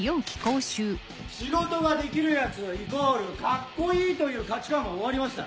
「仕事ができるヤツ＝カッコいい」という価値観は終わりました。